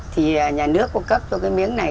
thì nhà nước cô cấp cho cái miếng này